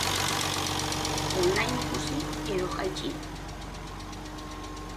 On-line ikusi edo jaitsi?